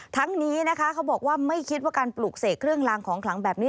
ทั้งนี้นะคะเขาบอกว่าไม่คิดว่าการปลูกเสกเครื่องลางของขลังแบบนี้